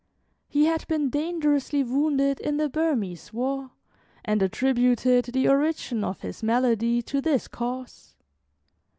He had been dangerously wounded in the Burmese war, and attributed the origin of his malady to this cause.